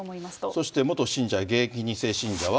そして、元信者、現役２世信者は。